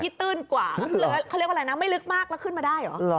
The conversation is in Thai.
ตื้นกว่าเขาเรียกว่าอะไรนะไม่ลึกมากแล้วขึ้นมาได้เหรอ